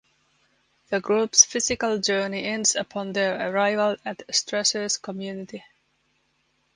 The group’s physical journey ends upon their arrival at Strasser’s community.